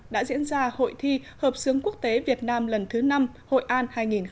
đã diễn ra hội thi hợp xướng quốc tế việt nam lần thứ năm hội an hai nghìn một mươi chín